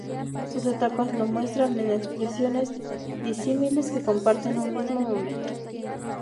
Sus etapas lo muestran en expresiones disímiles que comparten un mismo momento.